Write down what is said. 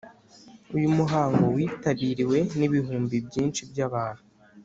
uyu muhango w’itabiriwe n’ibihumbi byinshi by’abantu,